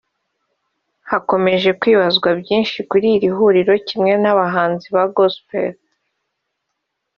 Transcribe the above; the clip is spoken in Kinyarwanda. hakomeje kwibazwa byinshi kuri iri rihuriro kimwe n’ abahanzi ba gospel